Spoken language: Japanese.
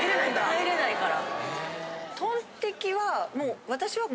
入れないから。